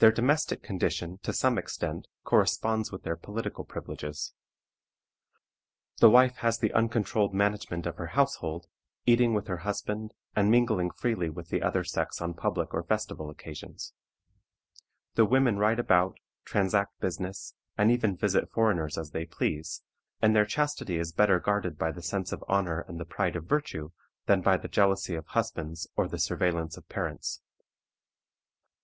Their domestic condition, to some extent, corresponds with their political privileges. The wife has the uncontrolled management of her household, eating with her husband, and mingling freely with the other sex on public or festival occasions. The women ride about, transact business, and even visit foreigners as they please, and their chastity is better guarded by the sense of honor and the pride of virtue, than by the jealousy of husbands or the surveillance of parents.